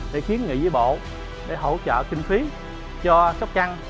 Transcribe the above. để khiến nghị giới bộ để hỗ trợ kinh phí cho sốc trăng